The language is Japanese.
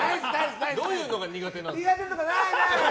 どういうのが苦手なんですか。